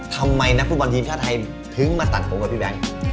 นักฟุตบอลทีมชาติไทยถึงมาตัดผมกับพี่แบงค์